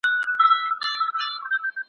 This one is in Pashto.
د عوامو مجلس چېرته جوړیږي؟